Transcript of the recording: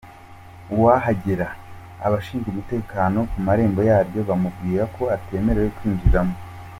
Uwahagera abashinzwe umutekano ku marembo yaryo bamubwiraga ko atemerewe kuryinjiramo.